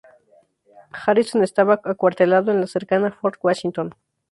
Harrison estaba acuartelado en la cercana Fort Washington.